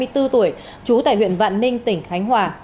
hai mươi bốn tuổi trú tại huyện vạn ninh tỉnh khánh hòa